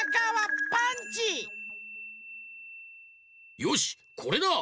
よしこれだ！